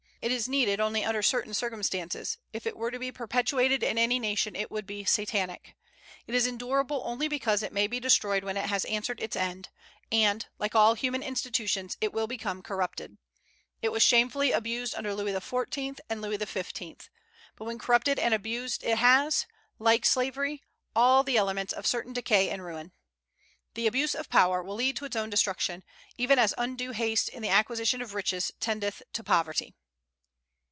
It is needed only under certain circumstances; if it were to be perpetuated in any nation it would be Satanic. It is endurable only because it may be destroyed when it has answered its end; and, like all human institutions, it will become corrupted. It was shamefully abused under Louis XIV. and Louis XV. But when corrupted and abused it has, like slavery, all the elements of certain decay and ruin. The abuse of power will lead to its own destruction, even as undue haste in the acquisition of riches tendeth to poverty.